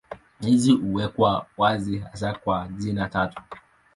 Hizi huwekwa wazi hasa kwa njia tatu.